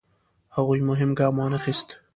هغوی مهم ګام وانخیست.